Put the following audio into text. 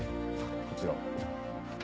こちらを。